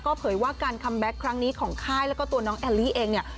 เผยว่าการคัมแบ็คครั้งนี้ของค่ายแล้วก็ตัวน้องแอลลี่เองเนี่ย